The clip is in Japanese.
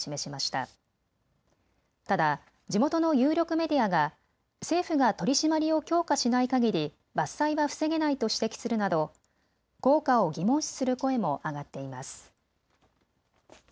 ただ地元の有力メディアが政府が取締りを強化しないかぎり伐採は防げないと指摘するなど効果を疑問視する声も上がっています。